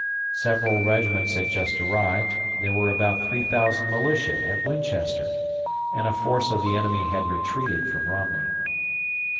Several regiments had just arrived there were about 3000 militia at Winchester, and a force of the enemy had retreated from Romney.